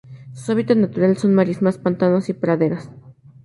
Su hábitat natural son marismas, pantanos y praderas.